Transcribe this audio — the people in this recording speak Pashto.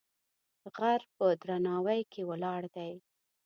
غر په درناوی کې ولاړ دی.